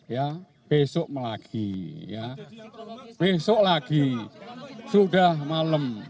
ya besok lagi ya besok lagi sudah malam